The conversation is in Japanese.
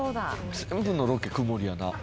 全部のロケ曇りやな